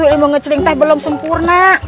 ilmu yang dicering belum sempurna